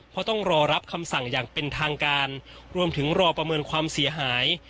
เพราะต้องรอรับคำสั่งอย่างเป็นทางการรวมถึงรอประเมินความเสียหาย